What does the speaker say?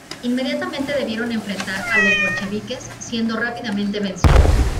Inmediatamente debieron enfrentar a los bolcheviques, siendo rápidamente vencidos.